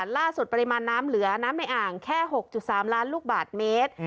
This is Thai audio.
ปริมาณน้ำเหลือน้ำในอ่างแค่๖๓ล้านลูกบาทเมตร